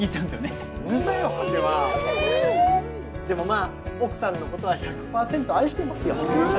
でもまあ奥さんのことは１００％愛してますよ。